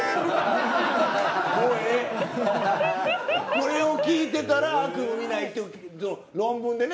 これを聞いてたら悪夢見ないっていう論文でね。